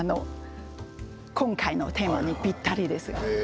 今回のテーマにぴったりです。